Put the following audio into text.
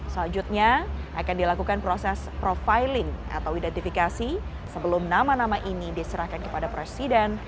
selanjutnya akan dilakukan proses profiling atau identifikasi sebelum nama nama ini diserahkan kepada presiden